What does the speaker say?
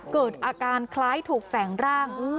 เกิดอาการคล้ายถูกแฝงร่าง